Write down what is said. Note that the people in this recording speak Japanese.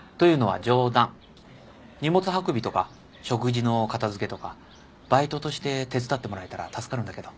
荷物運びとか食事の片付けとかバイトとして手伝ってもらえたら助かるんだけど。